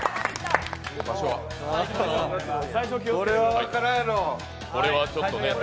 これは分からんやろ。